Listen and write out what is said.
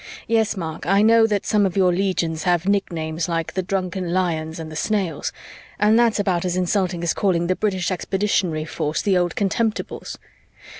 Yes, Mark, I know that some of your legions have nicknames like the Drunken Lions and the Snails, and that's about as insulting as calling the British Expeditionary Force the Old Contemptibles.